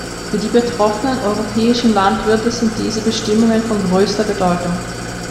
Für die betroffenen europäischen Landwirte sind diese Bestimmungen von größter Bedeutung.